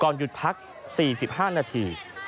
ก่อนหยุดพัก๔๕นาที